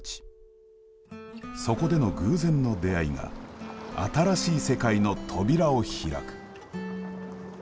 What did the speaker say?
そこでの偶然の出会いが新しい世界の扉を開く。